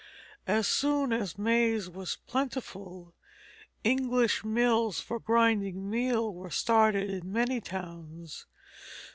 As soon as maize was plentiful, English mills for grinding meal were started in many towns.